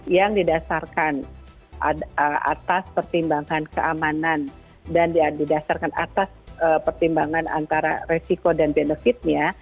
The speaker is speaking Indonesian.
yang didasarkan atas pertimbangan keamanan dan didasarkan atas pertimbangan antara resiko dan benefitnya